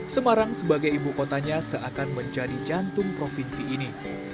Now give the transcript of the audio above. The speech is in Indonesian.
semarang sebagai ibu kotanya seakan menjadi jantung provinsi ini